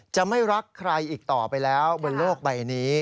จะไม่รักใครอีกต่อไปแล้วบนโลกใบนี้